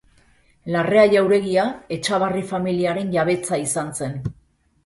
Larrea jauregia Etxabarri familiaren jabetza izan zen.